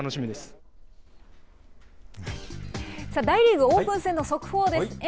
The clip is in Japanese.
大リーグ、オープン戦の速報です。